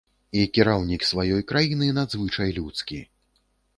І кіраўнік сваёй краіны надзвычай людскі.